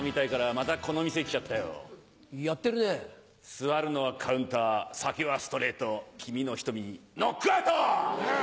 座るのはカウンター酒はストレート君の瞳にノックアウト！